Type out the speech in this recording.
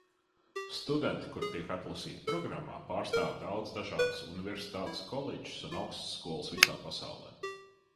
Studenti, kuri tiek atlasīti programmā, pārstāv daudz dažādas universitātes, koledžas un augstskolas visā pasaulē.